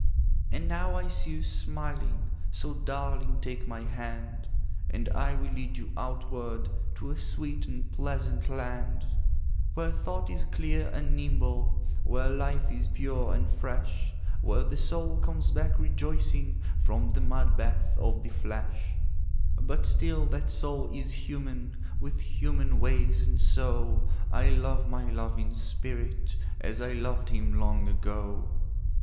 'And now I see you smiling, So, darling, take my hand; And I will lead you outward To a sweet and pleasant land, 'Where thought is clear and nimble, Where life is pure and fresh, Where the soul comes back rejoicing From the mud bath of the flesh 'But still that soul is human, With human ways, and so I love my love in spirit, As I loved him long ago.